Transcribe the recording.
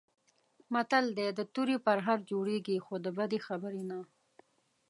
متل دی: د تورې پرهر جوړېږي، خو د بدې خبرې نه.